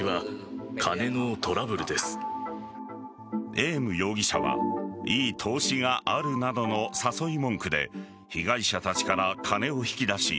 エーム容疑者はいい投資があるなどの誘い文句で被害者たちから金を引き出し